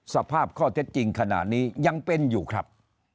สภาพข้อเท็จจริงขณะนี้ยังเป็นอยู่ครับ